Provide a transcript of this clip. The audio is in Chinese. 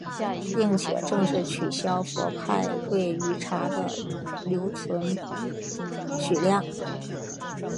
并且正式取消氟派瑞于茶的留容许量。